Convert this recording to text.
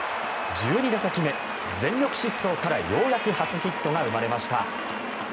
１２打席目、全力疾走からようやく初ヒットが生まれました。